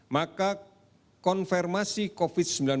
maka konfirmasi kesehatan